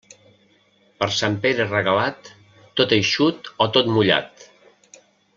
Per Sant Pere Regalat, tot eixut o tot mullat.